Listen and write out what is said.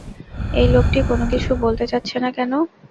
এই লোকটি কোনো কিছু বলতে চাচ্ছে না কেন?